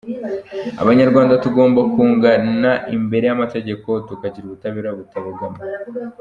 Abanyarwanda tugomba kungana imbere y’amategeko, tukagira ubutabera butabogama.